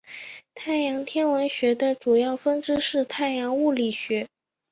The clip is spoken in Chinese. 太阳天文学的主要分支是太阳物理学。